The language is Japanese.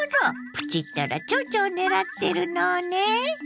プチったらちょうちょを狙ってるのね。